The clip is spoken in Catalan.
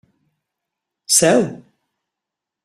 Seu!